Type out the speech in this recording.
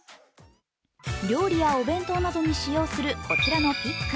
料理やお弁当などに使用するこちらのピック。